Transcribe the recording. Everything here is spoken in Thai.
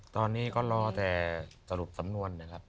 ตอนนี้ก็รอแต่สรุปสำนวนนะครับ